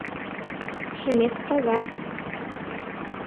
— Шӱмет таза.